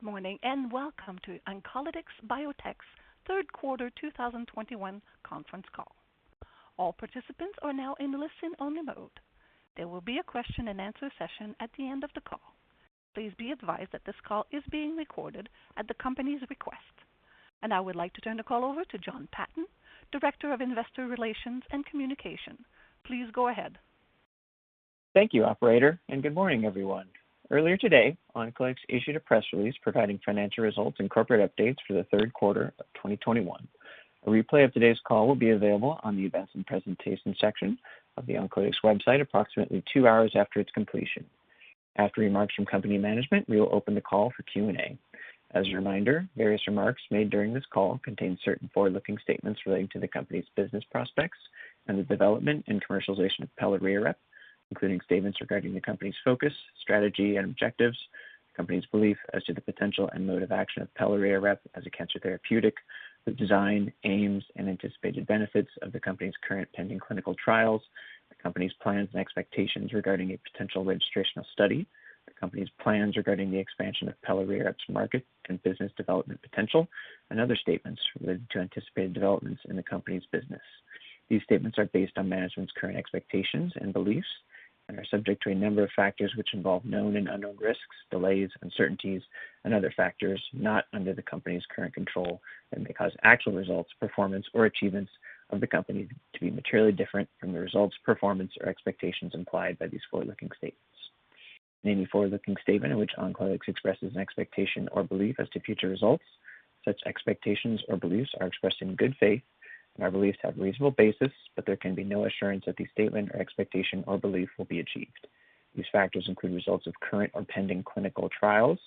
Good morning, and welcome to Oncolytics Biotech's third quarter 2021 conference call. All participants are now in listen-only mode. There will be a question-and-answer session at the end of the call. Please be advised that this call is being recorded at the company's request. I would like to turn the call over to Jon Patton, Director of Investor Relations and Communication. Please go ahead. Thank you, operator, and good morning, everyone. Earlier today, Oncolytics issued a press release providing financial results and corporate updates for the third quarter of 2021. A replay of today's call will be available on the Events & Presentations section of the Oncolytics website approximately two hours after its completion. After remarks from company management, we will open the call for Q&A. As a reminder, various remarks made during this call contain certain forward-looking statements relating to the company's business prospects and the development and commercialization of pelareorep, including statements regarding the company's focus, strategy, and objectives, the company's belief as to the potential and mode of action of pelareorep as a cancer therapeutic, the design, aims, and anticipated benefits of the company's current pending clinical trials, the company's plans and expectations regarding a potential registrational study, the company's plans regarding the expansion of pelareorep's market and business development potential, and other statements related to anticipated developments in the company's business. These statements are based on management's current expectations and beliefs and are subject to a number of factors which involve known and unknown risks, delays, uncertainties, and other factors not under the company's current control and may cause actual results, performance, or achievements of the company to be materially different from the results, performance, or expectations implied by these forward-looking statements. In any forward-looking statement in which Oncolytics expresses an expectation or belief as to future results, such expectations or beliefs are expressed in good faith and are believed to have reasonable basis, but there can be no assurance that the statement or expectation or belief will be achieved. These factors include results of current or pending clinical trials,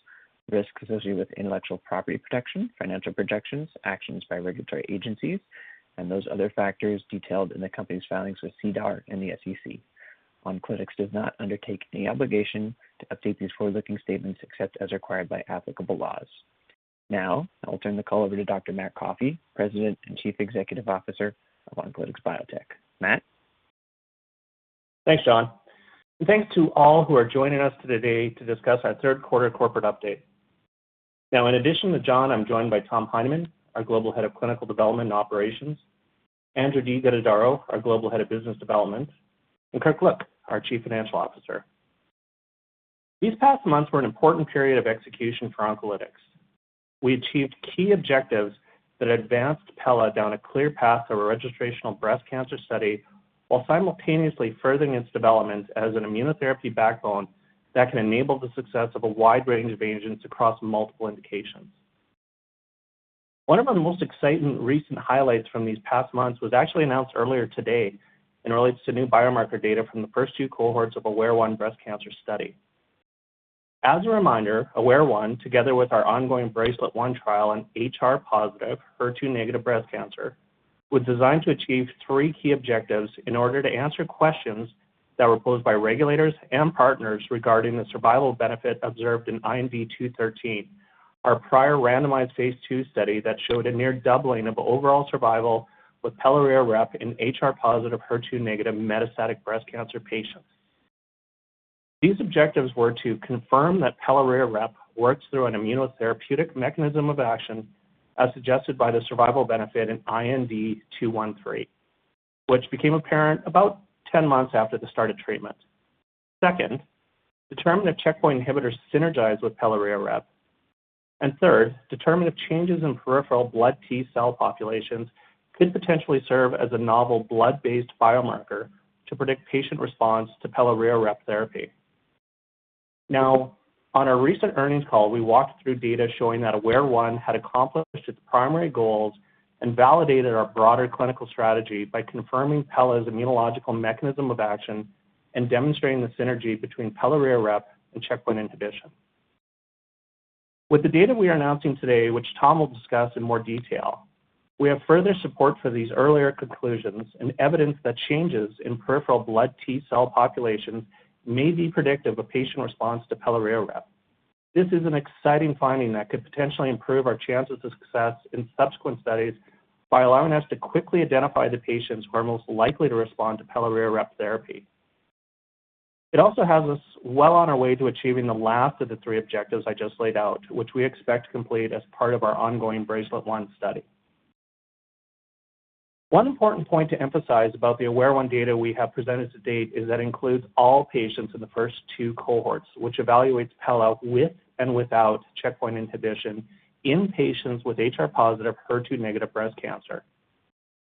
risks associated with intellectual property protection, financial projections, actions by regulatory agencies, and those other factors detailed in the company's filings with SEDAR and the SEC. Oncolytics does not undertake any obligation to update these forward-looking statements except as required by applicable laws. Now, I will turn the call over to Dr. Matt Coffey, President and Chief Executive Officer of Oncolytics Biotech. Matt? Thanks, John, and thanks to all who are joining us today to discuss our third quarter corporate update. Now, in addition to John, I'm joined by Tom Heineman, our Global Head of Clinical Development and Operations, Andrew de Guttadauro, our Global Head of Business Development, and Kirk Look, our Chief Financial Officer. These past months were an important period of execution for Oncolytics. We achieved key objectives that advanced pela down a clear path of a registrational breast cancer study while simultaneously furthering its development as an immunotherapy backbone that can enable the success of a wide range of agents across multiple indications. One of our most exciting recent highlights from these past months was actually announced earlier today and relates to new biomarker data from the first two cohorts of AWARE-1 breast cancer study. As a reminder, AWARE-1, together with our ongoing BRACELET-1 trial on HR-positive, HER2-negative breast cancer, was designed to achieve three key objectives in order to answer questions that were posed by regulators and partners regarding the survival benefit observed in IND-213, our prior randomized phase II study that showed a near doubling of overall survival with pelareorep in HR-positive, HER2-negative metastatic breast cancer patients. These objectives were to confirm that pelareorep works through an immunotherapeutic mechanism of action as suggested by the survival benefit in IND-213, which became apparent about 10 months after the start of treatment. Second, determine if checkpoint inhibitors synergize with pelareorep. Third, determine if changes in peripheral blood T-cell populations could potentially serve as a novel blood-based biomarker to predict patient response to pelareorep therapy. Now, on our recent earnings call, we walked through data showing that AWARE-1 had accomplished its primary goals and validated our broader clinical strategy by confirming pela's immunological mechanism of action and demonstrating the synergy between pelareorep and checkpoint inhibition. With the data we are announcing today, which Tom will discuss in more detail, we have further support for these earlier conclusions and evidence that changes in peripheral blood T-cell populations may be predictive of patient response to pelareorep. This is an exciting finding that could potentially improve our chances of success in subsequent studies by allowing us to quickly identify the patients who are most likely to respond to pelareorep therapy. It also has us well on our way to achieving the last of the three objectives I just laid out, which we expect to complete as part of our ongoing BRACELET-1 study. One important point to emphasize about the AWARE-1 data we have presented to date is that it includes all patients in the first two cohorts, which evaluates pela with and without checkpoint inhibition in patients with HR-positive, HER2-negative breast cancer.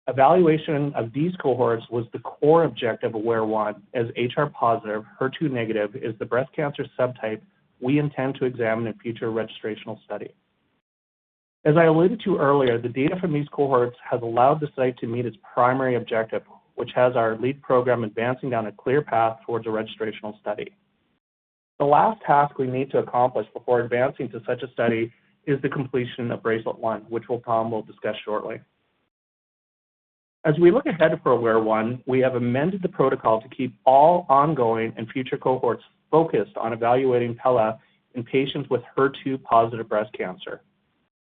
Evaluation of these cohorts was the core objective of AWARE-1, as HR-positive, HER2-negative is the breast cancer subtype we intend to examine in future registrational study. As I alluded to earlier, the data from these cohorts has allowed the site to meet its primary objective, which has our lead program advancing down a clear path towards a registrational study. The last task we need to accomplish before advancing to such a study is the completion of BRACELET-1, which Tom will discuss shortly. As we look ahead to AWARE-1, we have amended the protocol to keep all ongoing and future cohorts focused on evaluating pela in patients with HER2-positive breast cancer.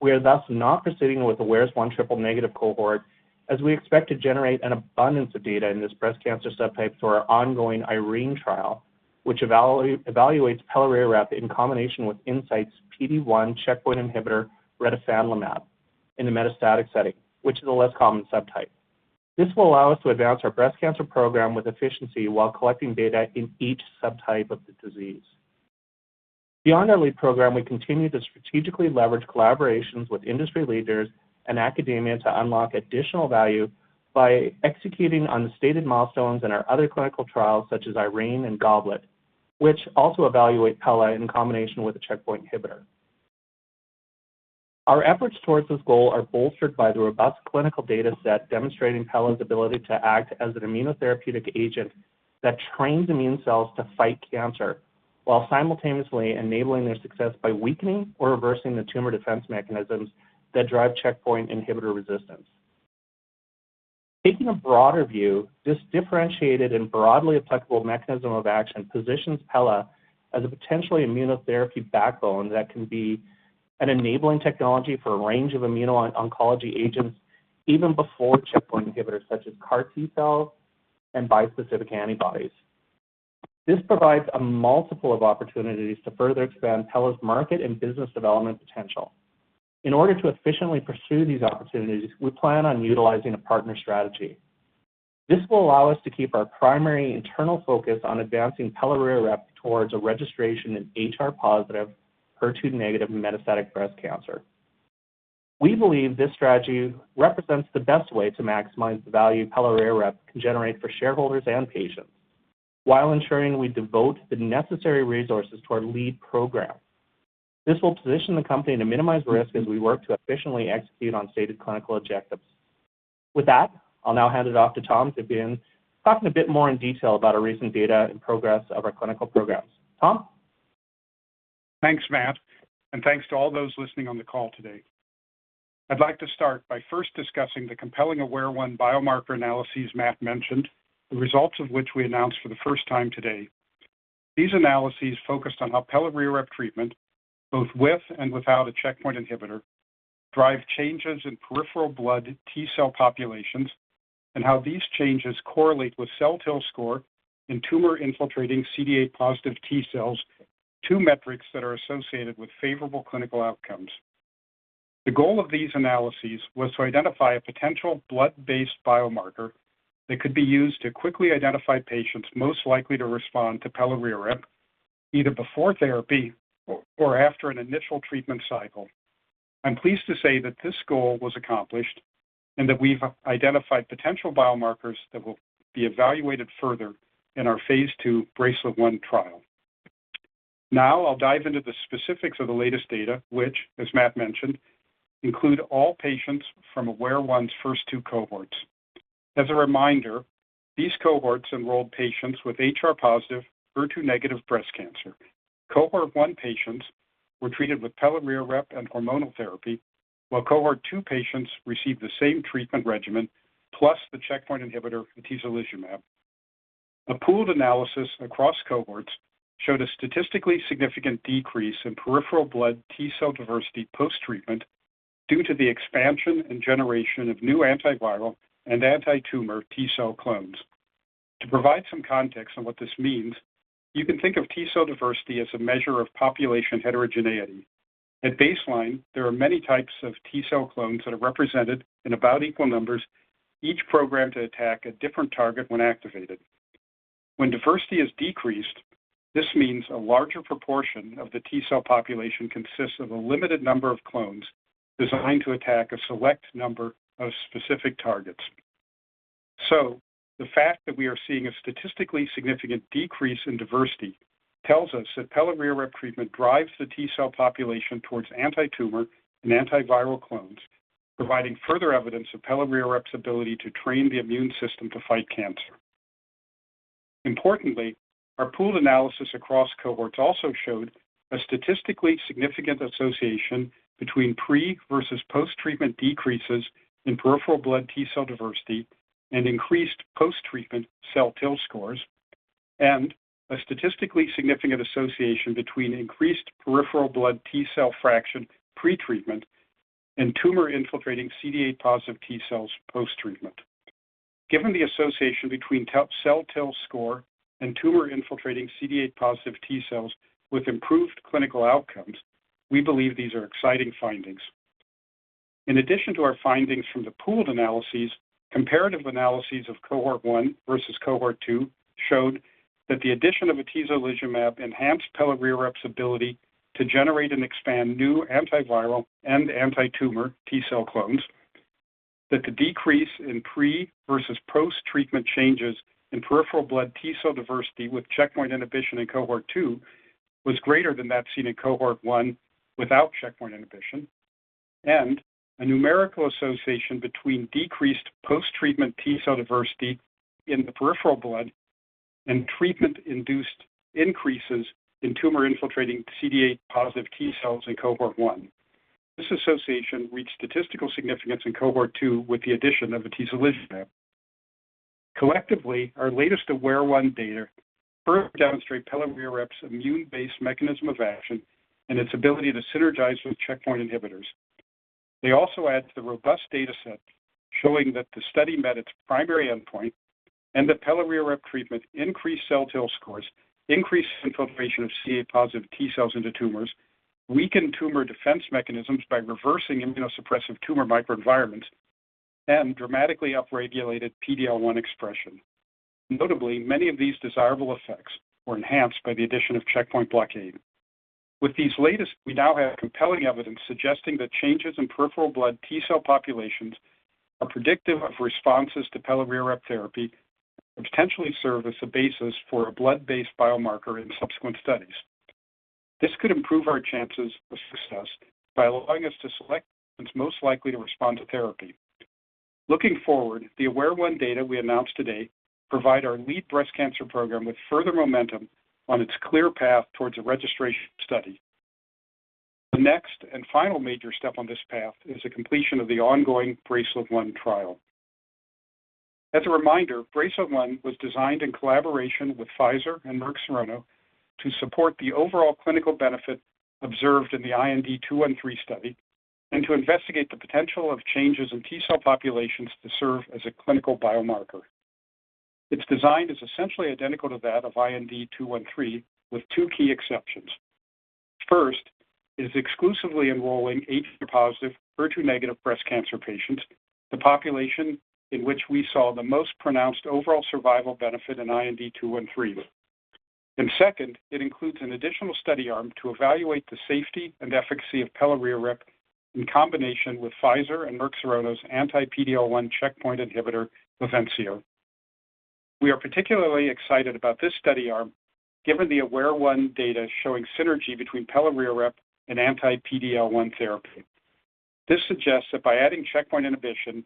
We are thus not proceeding with AWARE-1's one triple-negative cohort as we expect to generate an abundance of data in this breast cancer subtype for our ongoing IRENE trial, which evaluates pelareorep in combination with Incyte's PD-1 checkpoint inhibitor, retifanlimab, in the metastatic setting, which is a less common subtype. This will allow us to advance our breast cancer program with efficiency while collecting data in each subtype of the disease. Beyond our lead program, we continue to strategically leverage collaborations with industry leaders and academia to unlock additional value by executing on the stated milestones in our other clinical trials such as IRENE and GOBLET, which also evaluate pela in combination with a checkpoint inhibitor. Our efforts towards this goal are bolstered by the robust clinical data set demonstrating pela's ability to act as an immunotherapeutic agent that trains immune cells to fight cancer while simultaneously enabling their success by weakening or reversing the tumor defense mechanisms that drive checkpoint inhibitor resistance. Taking a broader view, this differentiated and broadly applicable mechanism of action positions pela as a potentially immunotherapy backbone that can be an enabling technology for a range of immuno-oncology agents even before checkpoint inhibitors such as CAR T-cells and bispecific antibodies. This provides a multiple of opportunities to further expand pela's market and business development potential. In order to efficiently pursue these opportunities, we plan on utilizing a partner strategy. This will allow us to keep our primary internal focus on advancing pelareorep towards a registration in HR-positive, HER2-negative metastatic breast cancer. We believe this strategy represents the best way to maximize the value pelareorep can generate for shareholders and patients while ensuring we devote the necessary resources to our lead program. This will position the company to minimize risk as we work to efficiently execute on stated clinical objectives. With that, I'll now hand it off to Tom to begin talking a bit more in detail about our recent data and progress of our clinical programs. Tom? Thanks, Matt, and thanks to all those listening on the call today. I'd like to start by first discussing the compelling AWARE-1 biomarker analyses Matt mentioned, the results of which we announced for the first time today. These analyses focused on how pelareorep treatment, both with and without a checkpoint inhibitor, drive changes in peripheral blood T-cell populations and how these changes correlate with CelTIL score and tumor-infiltrating CD8⁺ T cells, two metrics that are associated with favorable clinical outcomes. The goal of these analyses was to identify a potential blood-based biomarker that could be used to quickly identify patients most likely to respond to pelareorep either before therapy or after an initial treatment cycle. I'm pleased to say that this goal was accomplished and that we've identified potential biomarkers that will be evaluated further in our phase II BRACELET-1 trial. Now I'll dive into the specifics of the latest data, which, as Matt mentioned, include all patients from AWARE-1's first two cohorts. As a reminder, these cohorts enrolled patients with HR-positive, HER2-negative breast cancer. Cohort one patients were treated with pelareorep and hormonal therapy, while cohort two patients received the same treatment regimen plus the checkpoint inhibitor atezolizumab. A pooled analysis across cohorts showed a statistically significant decrease in peripheral blood T-cell diversity post-treatment due to the expansion and generation of new antiviral and antitumor T-cell clones. To provide some context on what this means, you can think of T-cell diversity as a measure of population heterogeneity. At baseline, there are many types of T-cell clones that are represented in about equal numbers, each programmed to attack a different target when activated. When diversity is decreased, this means a larger proportion of the T-cell population consists of a limited number of clones designed to attack a select number of specific targets. The fact that we are seeing a statistically significant decrease in diversity tells us that pelareorep treatment drives the T-cell population towards antitumor and antiviral clones, providing further evidence of pelareorep's ability to train the immune system to fight cancer. Importantly, our pooled analysis across cohorts also showed a statistically significant association between pre versus post-treatment decreases in peripheral blood T-cell diversity and increased post-treatment CelTIL scores, and a statistically significant association between increased peripheral blood T-cell fraction pretreatment and tumor-infiltrating CD8⁺ T cells post-treatment. Given the association between CelTIL score and tumor-infiltrating CD8⁺ T cells with improved clinical outcomes, we believe these are exciting findings. In addition to our findings from the pooled analyses, comparative analyses of cohort one versus cohort two showed that the addition of atezolizumab enhanced pelareorep's ability to generate and expand new antiviral and antitumor T-cell clones, that the decrease in pre versus post-treatment changes in peripheral blood T-cell diversity with checkpoint inhibition in cohort two was greater than that seen in cohort one without checkpoint inhibition, and a numerical association between decreased post-treatment T-cell diversity in the peripheral blood and treatment-induced increases in tumor-infiltrating CD8⁺ T cells in cohort one. This association reached statistical significance in cohort two with the addition of atezolizumab. Collectively, our latest AWARE-1 data further demonstrate pelareorep's immune-based mechanism of action and its ability to synergize with checkpoint inhibitors. They also add to the robust data set showing that the study met its primary endpoint and that pelareorep treatment increased CelTIL scores, increased infiltration of CD8⁺ T cells into tumors, weakened tumor defense mechanisms by reversing immunosuppressive tumor microenvironments, and dramatically upregulated PD-L1 expression. Notably, many of these desirable effects were enhanced by the addition of checkpoint blockade. With these latest, we now have compelling evidence suggesting that changes in peripheral blood T-cell populations are predictive of responses to pelareorep therapy and potentially serve as the basis for a blood-based biomarker in subsequent studies. This could improve our chances of success by allowing us to select patients most likely to respond to therapy. Looking forward, the AWARE-1 data we announced today provide our lead breast cancer program with further momentum on its clear path towards a registration study. The next and final major step on this path is the completion of the ongoing BRACELET-1 trial. As a reminder, BRACELET-1 was designed in collaboration with Pfizer and Merck Serono to support the overall clinical benefit observed in the IND-213 study and to investigate the potential of changes in T-cell populations to serve as a clinical biomarker. Its design is essentially identical to that of IND-213, with two key exceptions. First, it is exclusively enrolling HR-positive, HER2-negative breast cancer patients, the population in which we saw the most pronounced overall survival benefit in IND-213. Second, it includes an additional study arm to evaluate the safety and efficacy of pelareorep in combination with Pfizer and Merck Serono's anti-PD-L1 checkpoint inhibitor, BAVENCIO. We are particularly excited about this study arm given the AWARE-1 data showing synergy between pelareorep and anti-PD-L1 therapy. This suggests that by adding checkpoint inhibition,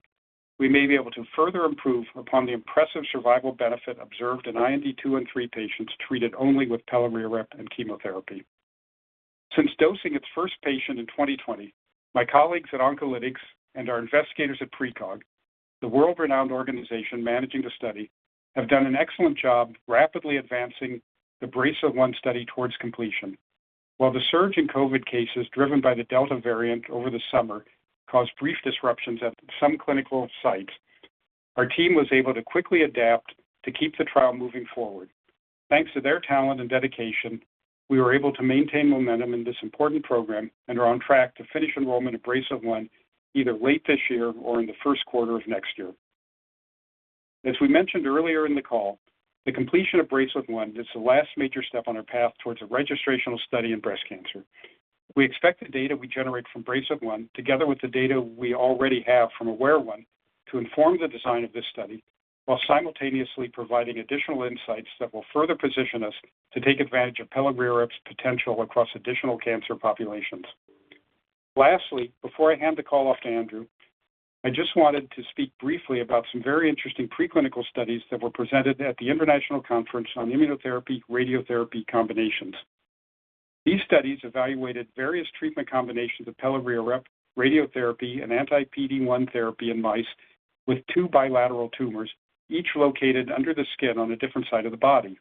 we may be able to further improve upon the impressive survival benefit observed in IND-213 patients treated only with pelareorep and chemotherapy. Since dosing its first patient in 2020, my colleagues at Oncolytics and our investigators at PrECOG, the world-renowned organization managing the study, have done an excellent job rapidly advancing the BRACELET-1 study towards completion. While the surge in COVID cases driven by the Delta variant over the summer caused brief disruptions at some clinical sites, our team was able to quickly adapt to keep the trial moving forward. Thanks to their talent and dedication, we were able to maintain momentum in this important program and are on track to finish enrollment of BRACELET-1 either late this year or in the first quarter of next year. As we mentioned earlier in the call, the completion of BRACELET-1 is the last major step on our path towards a registrational study in breast cancer. We expect the data we generate from BRACELET-1, together with the data we already have from AWARE-1, to inform the design of this study while simultaneously providing additional insights that will further position us to take advantage of pelareorep's potential across additional cancer populations. Lastly, before I hand the call off to Andrew, I just wanted to speak briefly about some very interesting preclinical studies that were presented at the International Conference on Immunotherapy Radiotherapy Combinations. These studies evaluated various treatment combinations of pelareorep, radiotherapy, and anti-PD-1 therapy in mice with two bilateral tumors, each located under the skin on a different side of the body.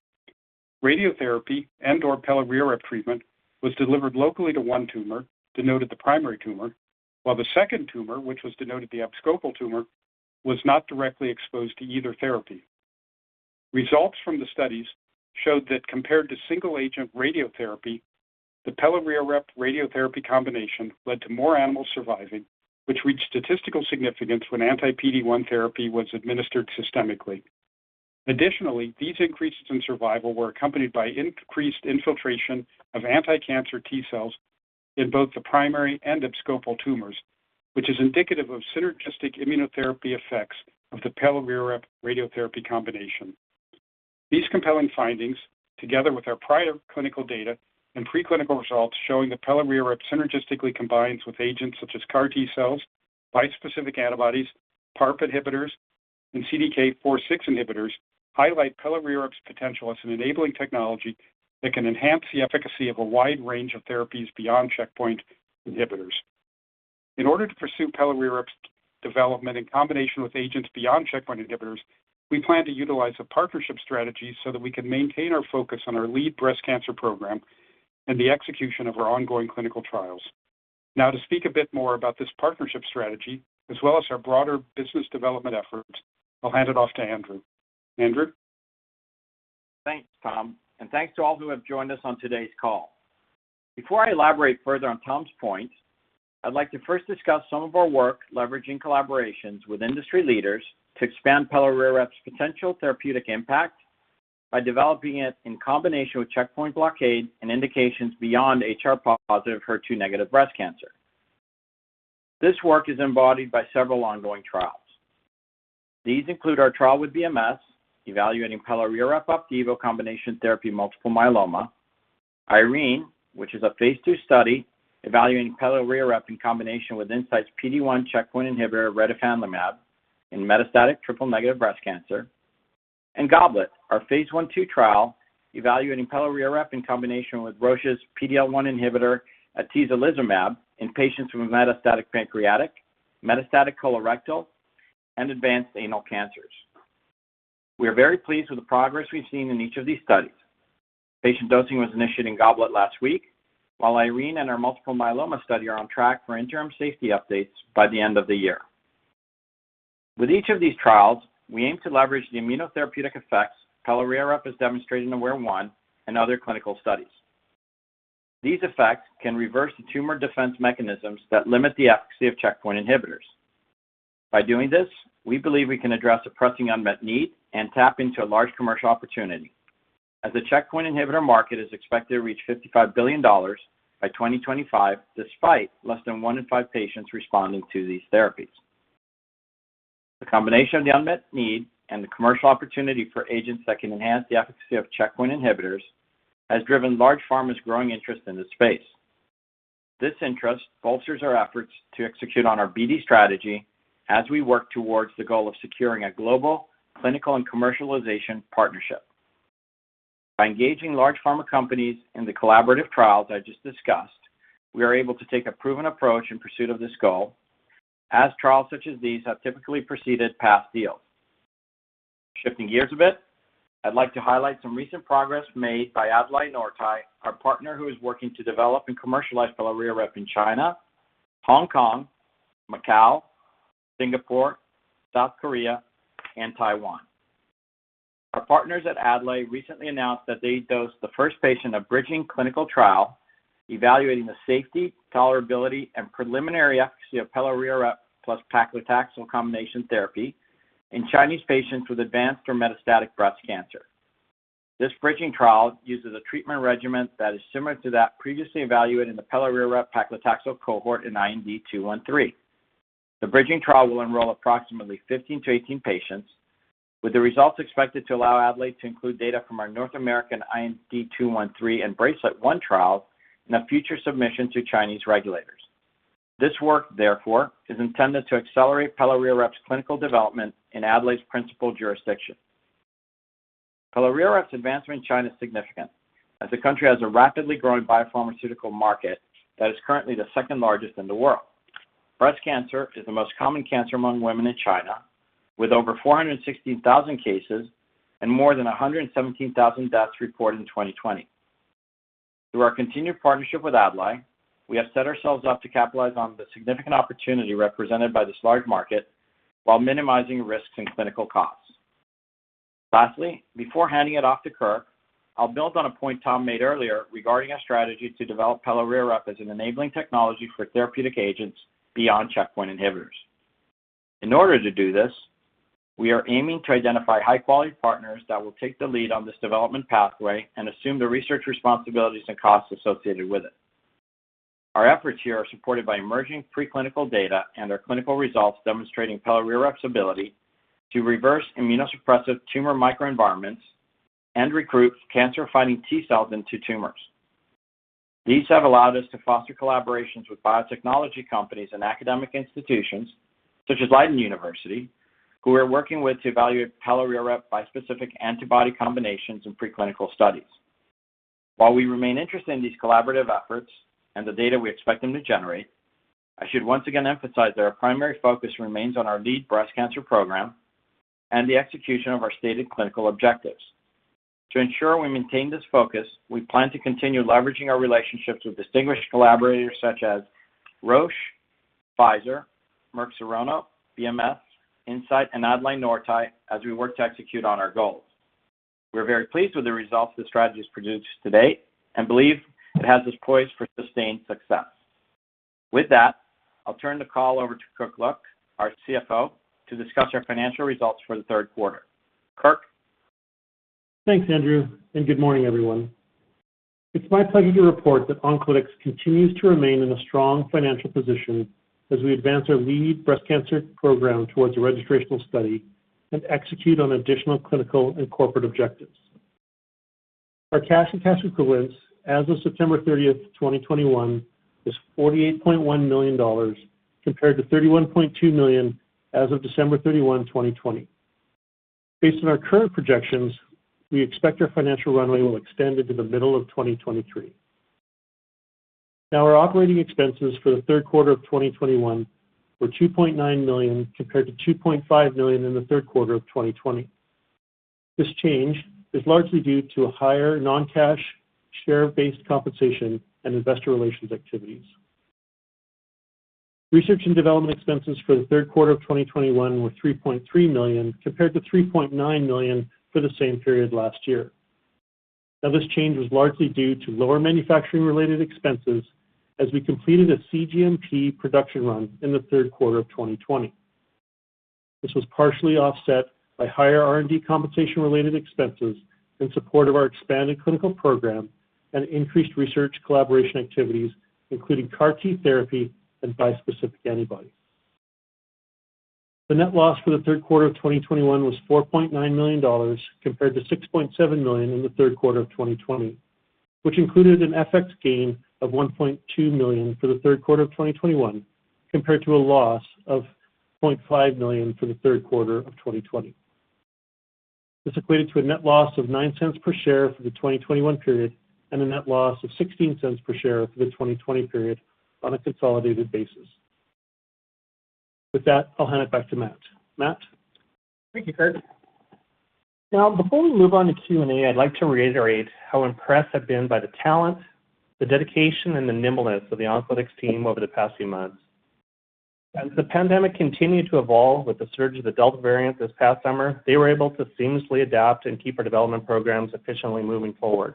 Radiotherapy and/or pelareorep treatment was delivered locally to one tumor, denoted the primary tumor, while the second tumor, which was denoted the abscopal tumor, was not directly exposed to either therapy. Results from the studies showed that compared to single-agent radiotherapy, the pelareorep radiotherapy combination led to more animals surviving, which reached statistical significance when anti-PD-1 therapy was administered systemically. Additionally, these increases in survival were accompanied by increased infiltration of anti-cancer T cells in both the primary and abscopal tumors, which is indicative of synergistic immunotherapy effects of the pelareorep radiotherapy combination. These compelling findings, together with our prior clinical data and preclinical results showing that pelareorep synergistically combines with agents such as CAR T-cells, bispecific antibodies, PARP inhibitors, and CDK4/6 inhibitors, highlight pelareorep's potential as an enabling technology that can enhance the efficacy of a wide range of therapies beyond checkpoint inhibitors. In order to pursue pelareorep's development in combination with agents beyond checkpoint inhibitors, we plan to utilize a partnership strategy so that we can maintain our focus on our lead breast cancer program and the execution of our ongoing clinical trials. Now to speak a bit more about this partnership strategy, as well as our broader business development efforts, I'll hand it off to Andrew. Andrew? Thanks, Tom, and thanks to all who have joined us on today's call. Before I elaborate further on Tom's point, I'd like to first discuss some of our work leveraging collaborations with industry leaders to expand pelareorep's potential therapeutic impact by developing it in combination with checkpoint blockade and indications beyond HR-positive, HER2-negative breast cancer. This work is embodied by several ongoing trials. These include our trial with BMS evaluating pelareorep/Opdivo combination therapy in multiple myeloma. IRENE, which is a phase II study evaluating pelareorep in combination with Incyte's PD-1 checkpoint inhibitor, retifanlimab, in metastatic triple-negative breast cancer. GOBLET, our phase I/II trial evaluating pelareorep in combination with Roche's PD-L1 inhibitor, atezolizumab, in patients with metastatic pancreatic, metastatic colorectal, and advanced anal cancers. We are very pleased with the progress we've seen in each of these studies. Patient dosing was initiated in GOBLET last week, while IRENE and our multiple myeloma study are on track for interim safety updates by the end of the year. With each of these trials, we aim to leverage the immunotherapeutic effects pelareorep has demonstrated in AWARE-1 and other clinical studies. These effects can reverse the tumor defense mechanisms that limit the efficacy of checkpoint inhibitors. By doing this, we believe we can address a pressing unmet need and tap into a large commercial opportunity as the checkpoint inhibitor market is expected to reach 55 billion dollars by 2025, despite less than one in five patients responding to these therapies. The combination of the unmet need and the commercial opportunity for agents that can enhance the efficacy of checkpoint inhibitors has driven large pharma's growing interest in this space. This interest bolsters our efforts to execute on our BD strategy as we work towards the goal of securing a global clinical and commercialization partnership. By engaging large pharma companies in the collaborative trials I just discussed, we are able to take a proven approach in pursuit of this goal, as trials such as these have typically proceeded past deals. Shifting gears a bit, I'd like to highlight some recent progress made by Adlai Nortye, our partner who is working to develop and commercialize pelareorep in China, Hong Kong, Macau, Singapore, South Korea, and Taiwan. Our partners at Adlai Nortye recently announced that they dosed the first patient in a bridging clinical trial evaluating the safety, tolerability, and preliminary efficacy of pelareorep plus paclitaxel combination therapy in Chinese patients with advanced or metastatic breast cancer. This bridging trial uses a treatment regimen that is similar to that previously evaluated in the pelareorep paclitaxel cohort in IND-213. The bridging trial will enroll approximately 15-18 patients, with the results expected to allow Adlai Nortye to include data from our North American IND-213 and BRACELET-1 trials in a future submission to Chinese regulators. This work, therefore, is intended to accelerate pelareorep's clinical development in Adlai Nortye's principal jurisdiction. Pelareorep's advancement in China is significant, as the country has a rapidly growing biopharmaceutical market that is currently the second-largest in the world. Breast cancer is the most common cancer among women in China, with over 416,000 cases and more than 117,000 deaths reported in 2020. Through our continued partnership with Adlai Nortye, we have set ourselves up to capitalize on the significant opportunity represented by this large market while minimizing risks and clinical costs. Lastly, before handing it off to Kirk, I'll build on a point Tom made earlier regarding our strategy to develop pelareorep as an enabling technology for therapeutic agents beyond checkpoint inhibitors. In order to do this, we are aiming to identify high-quality partners that will take the lead on this development pathway and assume the research responsibilities and costs associated with it. Our efforts here are supported by emerging preclinical data and our clinical results demonstrating pelareorep's ability to reverse immunosuppressive tumor microenvironments and recruit cancer-fighting T cells into tumors. These have allowed us to foster collaborations with biotechnology companies and academic institutions, such as Leiden University, who we're working with to evaluate pelareorep bispecific antibody combinations in preclinical studies. While we remain interested in these collaborative efforts and the data we expect them to generate, I should once again emphasize that our primary focus remains on our lead breast cancer program and the execution of our stated clinical objectives. To ensure we maintain this focus, we plan to continue leveraging our relationships with distinguished collaborators such as Roche, Pfizer, Merck Serono, BMS, Incyte, and Adlai Nortye as we work to execute on our goals. We're very pleased with the results this strategy has produced to date and believe it has us poised for sustained success. With that, I'll turn the call over to Kirk Look, our CFO, to discuss our financial results for the third quarter. Kirk? Thanks, Andrew, and good morning, everyone. It's my pleasure to report that Oncolytics continues to remain in a strong financial position as we advance our lead breast cancer program towards a registrational study and execute on additional clinical and corporate objectives. Our cash and cash equivalents as of September 30, 2021 is 48.1 million dollars compared to 31.2 million as of December 31, 2020. Based on our current projections, we expect our financial runway will extend into the middle of 2023. Now, our operating expenses for the third quarter of 2021 were 2.9 million compared to 2.5 million in the third quarter of 2020. This change is largely due to a higher non-cash share-based compensation and investor relations activities. Research and development expenses for the third quarter of 2021 were 3.3 million compared to 3.9 million for the same period last year. Now, this change was largely due to lower manufacturing-related expenses as we completed a cGMP production run in the third quarter of 2020. This was partially offset by higher R&D compensation-related expenses in support of our expanded clinical program and increased research collaboration activities, including CAR T therapy and bispecific antibodies. The net loss for the third quarter of 2021 was CAD 4.9 million compared to CAD 6.7 million in the third quarter of 2020. Which included an FX gain of CAD 1.2 million for the third quarter of 2021, compared to a loss of CAD 0.5 million for the third quarter of 2020. This equated to a net loss of 0.09 per share for the 2021 period, and a net loss of 0.16 per share for the 2020 period on a consolidated basis. With that, I'll hand it back to Matt. Matt? Thank you, Kirk. Now before we move on to Q&A, I'd like to reiterate how impressed I've been by the talent, the dedication, and the nimbleness of the Oncolytics team over the past few months. As the pandemic continued to evolve with the surge of the Delta variant this past summer, they were able to seamlessly adapt and keep our development programs efficiently moving forward.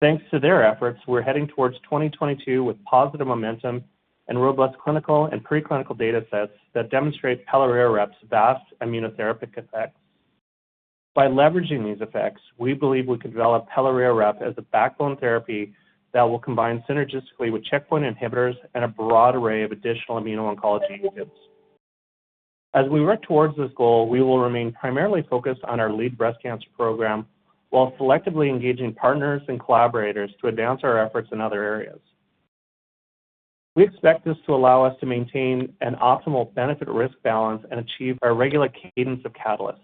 Thanks to their efforts, we're heading towards 2022 with positive momentum and robust clinical and pre-clinical data sets that demonstrate pelareorep's vast immunotherapeutic effects. By leveraging these effects, we believe we can develop pelareorep as a backbone therapy that will combine synergistically with checkpoint inhibitors and a broad array of additional immuno-oncology agents. As we work towards this goal, we will remain primarily focused on our lead breast cancer program while selectively engaging partners and collaborators to advance our efforts in other areas. We expect this to allow us to maintain an optimal benefit risk balance and achieve our regular cadence of catalysts.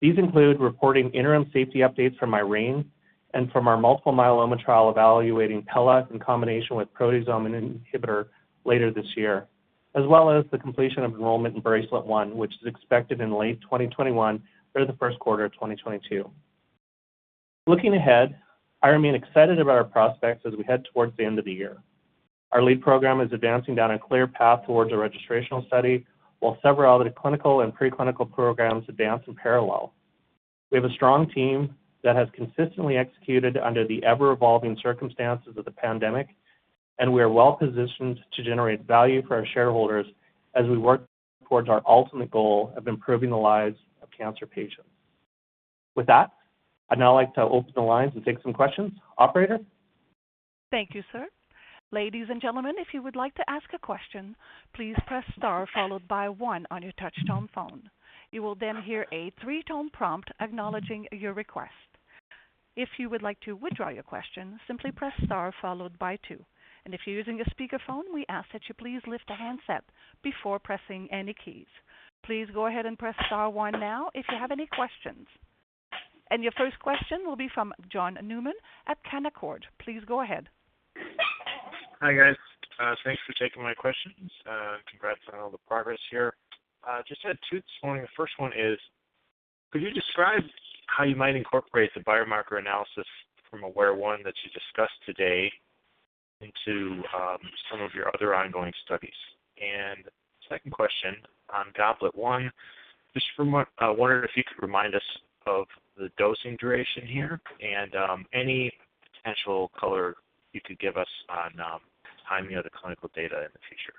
These include reporting interim safety updates from IRENE and from our multiple myeloma trial evaluating pella in combination with proteasome inhibitor later this year, as well as the completion of enrollment in BRACELET-1, which is expected in late 2021 or the first quarter of 2022. Looking ahead, I remain excited about our prospects as we head towards the end of the year. Our lead program is advancing down a clear path towards a registrational study, while several other clinical and pre-clinical programs advance in parallel. We have a strong team that has consistently executed under the ever-evolving circumstances of the pandemic, and we are well positioned to generate value for our shareholders as we work towards our ultimate goal of improving the lives of cancer patients. With that, I'd now like to open the lines and take some questions. Operator? Thank you, sir. Ladies and gentlemen, if you would like to ask a question, please press star followed by one on your touchtone phone. You will then hear a three-tone prompt acknowledging your request. If you would like to withdraw your question, simply press star followed by two. If you're using a speakerphone, we ask that you please lift the handset before pressing any keys. Please go ahead and press star one now if you have any questions. Your first question will be from John Newman at Canaccord. Please go ahead. Hi, guys. Thanks for taking my questions. Congrats on all the progress here. Just had two this morning. The first one is, could you describe how you might incorporate the biomarker analysis from AWARE-1 that you discussed today into some of your other ongoing studies? Second question on GOBLET, I wonder if you could remind us of the dosing duration here and any potential color you could give us on timing of the clinical data in the future.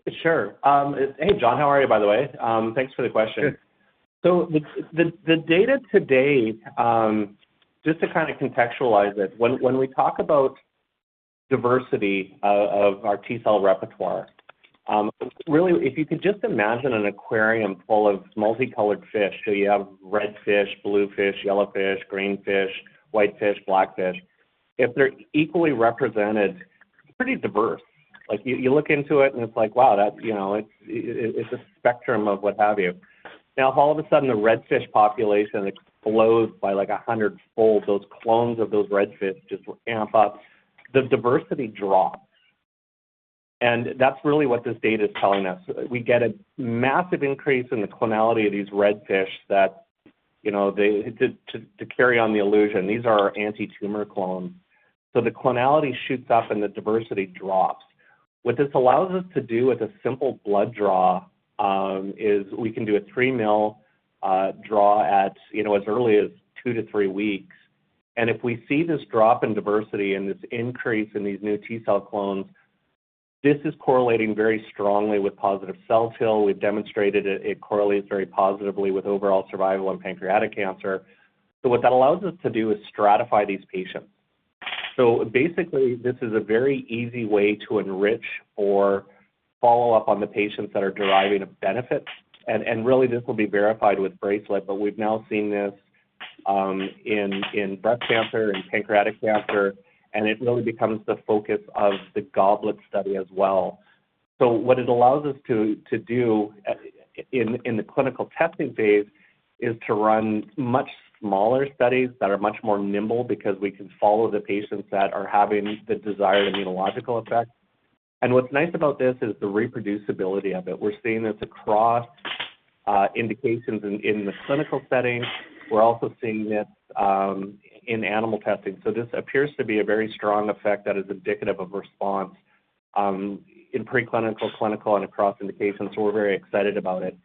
Thanks. Sure. Hey, John. How are you, by the way? Thanks for the question. Good. The data to date, just to kind of contextualize it, when we talk about diversity of our T-cell repertoire, really, if you could just imagine an aquarium full of multicolored fish, so you have red fish, blue fish, yellow fish, green fish, white fish, black fish. If they're equally represented, pretty diverse. Like you look into it and it's like, wow, that's, you know, it's a spectrum of what have you. Now, if all of a sudden the red fish population explodes by like a hundredfold, those clones of those redfish just amp up, the diversity drops. That's really what this data is telling us. We get a massive increase in the clonality of these redfish that, you know, they to carry on the illusion, these are anti-tumor clones. The clonality shoots up and the diversity drops. What this allows us to do with a simple blood draw, is we can do a 3 ml draw at, you know, as early as two to three weeks. If we see this drop in diversity and this increase in these new T-cell clones, this is correlating very strongly with positive cell kill. We've demonstrated it correlates very positively with overall survival in pancreatic cancer. What that allows us to do is stratify these patients. Basically, this is a very easy way to enrich or follow up on the patients that are deriving a benefit. Really this will be verified with BRACELET, but we've now seen this in breast cancer and pancreatic cancer, and it really becomes the focus of the GOBLET study as well. What it allows us to do in the clinical testing phase is to run much smaller studies that are much more nimble because we can follow the patients that are having the desired immunological effect. What's nice about this is the reproducibility of it. We're seeing this across indications in the clinical setting. We're also seeing this in animal testing. This appears to be a very strong effect that is indicative of response in pre-clinical, clinical, and across indications. We're very excited about it.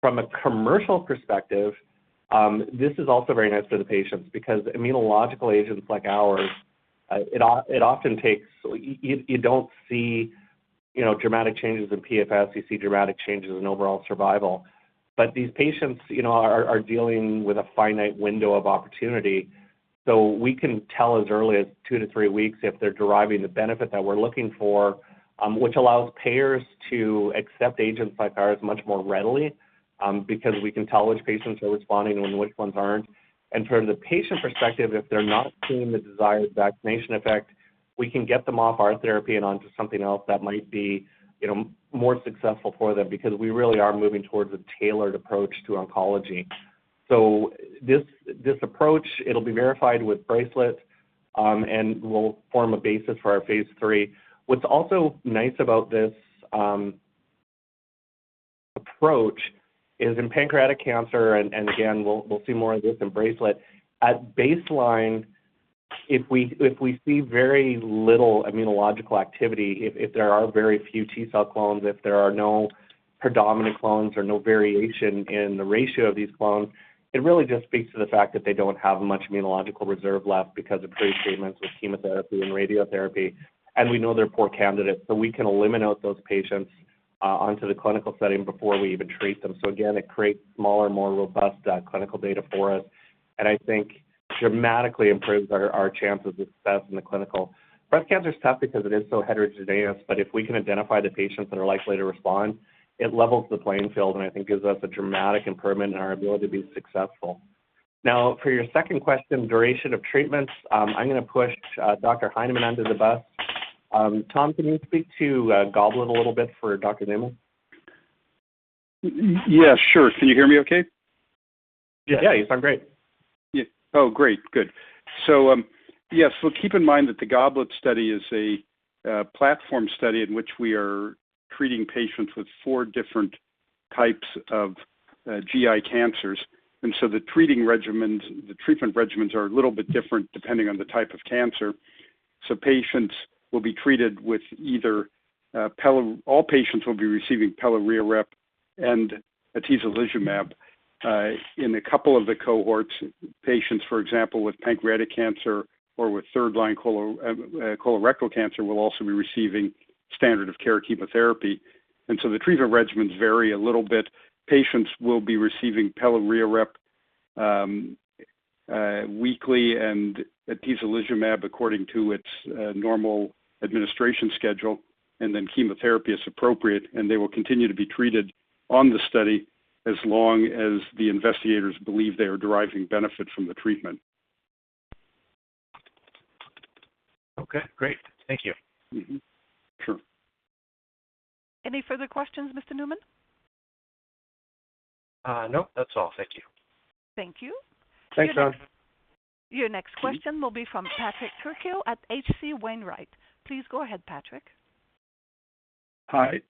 From a commercial perspective, this is also very nice for the patients because immunological agents like ours, you don't see, you know, dramatic changes in PFS. You see dramatic changes in overall survival. These patients, you know, are dealing with a finite window of opportunity. We can tell as early as two to three weeks if they're deriving the benefit that we're looking for, which allows payers to accept agents like ours much more readily, because we can tell which patients are responding and which ones aren't. From the patient perspective, if they're not seeing the desired vaccination effect, we can get them off our therapy and onto something else that might be, you know, more successful for them because we really are moving towards a tailored approach to oncology. This approach, it'll be verified with BRACELET, and will form a basis for our phase III. What's also nice about this approach is in pancreatic cancer, and again, we'll see more of this in BRACELET. At baseline, if we see very little immunological activity, if there are very few T-cell clones, if there are no predominant clones or no variation in the ratio of these clones, it really just speaks to the fact that they don't have much immunological reserve left because of pre-treatments with chemotherapy and radiotherapy, and we know they're poor candidates. We can eliminate those patients onto the clinical setting before we even treat them. Again, it creates smaller, more robust clinical data for us, and I think dramatically improves our chances of success in the clinical. Breast cancer is tough because it is so heterogeneous, but if we can identify the patients that are likely to respond, it levels the playing field and I think gives us a dramatic improvement in our ability to be successful. Now, for your second question, duration of treatments, I'm gonna push Dr. Heineman under the bus. Tom, can you speak to GOBLET a little bit for Dr. Newman? Yeah, sure. Can you hear me okay? Yeah. You sound great. Oh, great. Good. Yes. Keep in mind that the GOBLET study is a platform study in which we are treating patients with four different types of GI cancers. The treatment regimens are a little bit different depending on the type of cancer. Patients will be treated with either. All patients will be receiving pelareorep and atezolizumab. In a couple of the cohorts, patients, for example, with pancreatic cancer or with third-line colorectal cancer will also be receiving standard of care chemotherapy. The treatment regimens vary a little bit. Patients will be receiving pelareorep weekly and atezolizumab according to its normal administration schedule, and then chemotherapy as appropriate, and they will continue to be treated on the study as long as the investigators believe they are deriving benefit from the treatment. Okay, great. Thank you. Mm-hmm. Sure. Any further questions, Mr. Newman? No, that's all. Thank you. Thank you. Thanks, John. Your next question will be from Patrick Trucchio at H.C. Wainwright. Please go ahead, Patrick. Hi.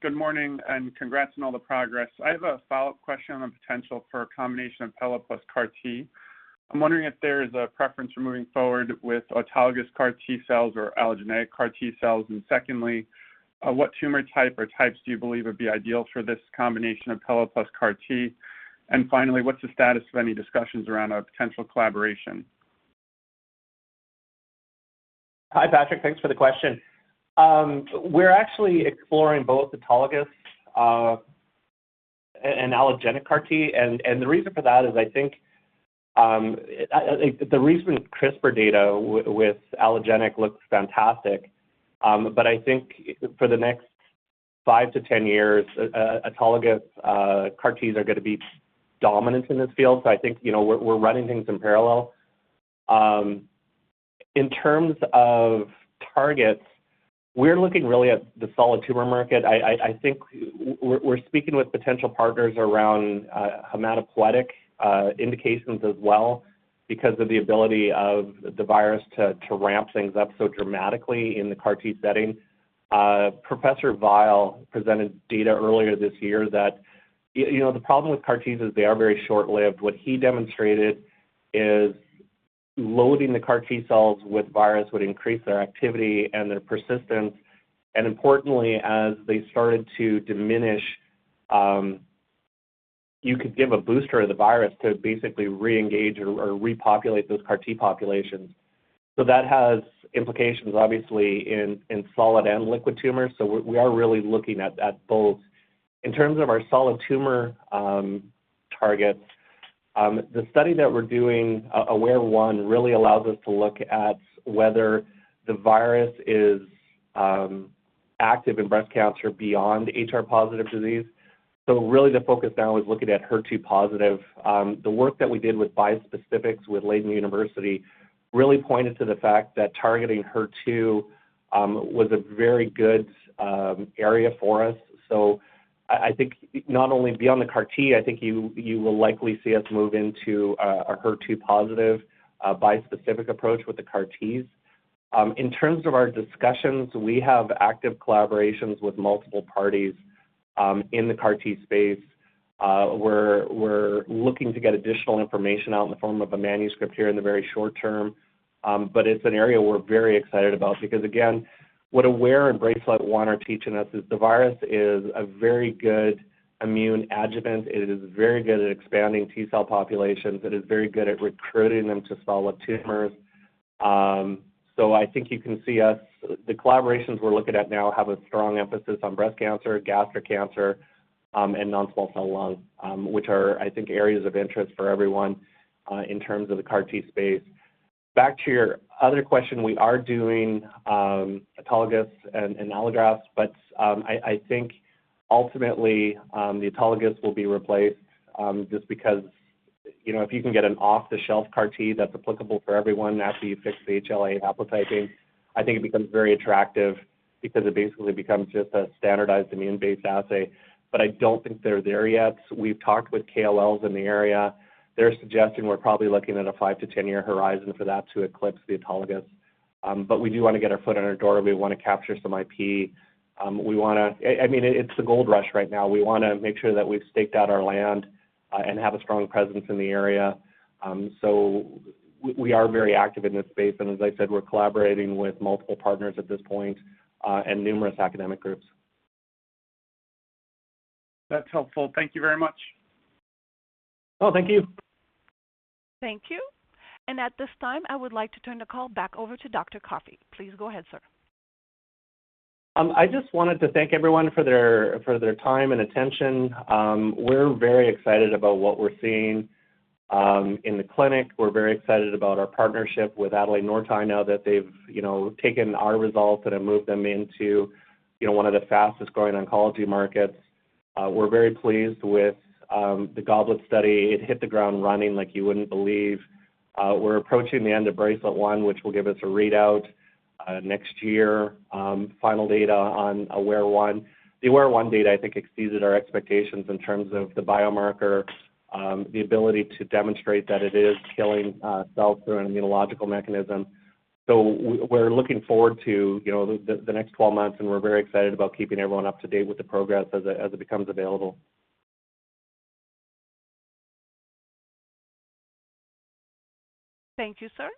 Good morning, and congrats on all the progress. I have a follow-up question on the potential for a combination of pelareorep CAR T. I'm wondering if there is a preference for moving forward with autologous CAR T-cells or allogeneic CAR T-cells. Secondly, what tumor type or types do you believe would be ideal for this combination of pelareorep CAR T? Finally, what's the status of any discussions around a potential collaboration? Hi, Patrick. Thanks for the question. We're actually exploring both autologous and allogeneic CAR T. The reason for that is I think the recent CRISPR data with allogeneic looks fantastic. But I think for the next five to 10 years, autologous CAR Ts are gonna be dominant in this field. I think, you know, we're running things in parallel. In terms of targets, we're looking really at the solid tumor market. I think we're speaking with potential partners around hematopoietic indications as well because of the ability of the virus to ramp things up so dramatically in the CAR T setting. Professor Weill presented data earlier this year that you know, the problem with CAR Ts is they are very short-lived. What he demonstrated is loading the CAR T-cells with virus would increase their activity and their persistence. Importantly, as they started to diminish, you could give a booster of the virus to basically reengage or repopulate those CAR T populations. That has implications, obviously, in solid and liquid tumors, so we are really looking at both. In terms of our solid tumor targets, the study that we're doing, AWARE-1, really allows us to look at whether the virus is active in breast cancer beyond HR-positive disease. Really the focus now is looking at HER2-positive. The work that we did with bispecifics with Leiden University really pointed to the fact that targeting HER2 was a very good area for us. I think not only beyond the CAR T, I think you will likely see us move into a HER2-positive, bispecific approach with the CAR Ts. In terms of our discussions, we have active collaborations with multiple parties in the CAR T space. We're looking to get additional information out in the form of a manuscript here in the very short term, but it's an area we're very excited about. Because again, what AWARE-1 and BRACELET-1 are teaching us is the virus is a very good immune adjuvant. It is very good at expanding T-cell populations. It is very good at recruiting them to solid tumors. I think you can see us. The collaborations we're looking at now have a strong emphasis on breast cancer, gastric cancer, and non-small cell lung, which are, I think, areas of interest for everyone in terms of the CAR T space. Back to your other question, we are doing autologous and allogeneic, but I think ultimately the autologous will be replaced just because, you know, if you can get an off-the-shelf CAR T that's applicable for everyone after you fix the HLA haplotyping, I think it becomes very attractive because it basically becomes just a standardized immune-based assay. But I don't think they're there yet. We've talked with KOLs in the area. They're suggesting we're probably looking at a five to 10-year horizon for that to eclipse the autologous. But we do want to get our foot in the door, and we want to capture some IP. We want to. I mean, it's a gold rush right now. We wanna make sure that we've staked out our land and have a strong presence in the area. We are very active in this space, and as I said, we're collaborating with multiple partners at this point and numerous academic groups. That's helpful. Thank you very much. No, thank you. Thank you. At this time, I would like to turn the call back over to Dr. Coffey. Please go ahead, sir. I just wanted to thank everyone for their time and attention. We're very excited about what we're seeing in the clinic. We're very excited about our partnership with Adlai Nortye now that they've, you know, taken our results and have moved them into, you know, one of the fastest-growing oncology markets. We're very pleased with the GOBLET study. It hit the ground running like you wouldn't believe. We're approaching the end of BRACELET-1, which will give us a readout next year, final data on AWARE-1. The AWARE-1 data, I think, exceeded our expectations in terms of the biomarker, the ability to demonstrate that it is killing cells through an immunological mechanism. We're looking forward to, you know, the next 12 months, and we're very excited about keeping everyone up to date with the progress as it becomes available. Thank you, sir.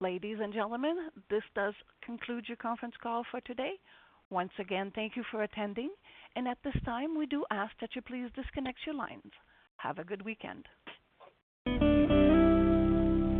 Ladies and gentlemen, this does conclude your conference call for today. Once again, thank you for attending. At this time, we do ask that you please disconnect your lines. Have a good weekend.